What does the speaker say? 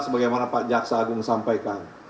sebagaimana pak jaksa agung sampaikan